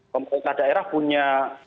pemerintah daerah punya